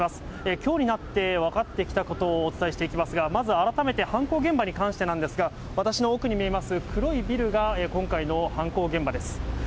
きょうになって分かってきたことをお伝えしていきますが、まず改めて犯行現場に関してなんですが、私の奥に見えます、黒いビルが今回の犯行現場です。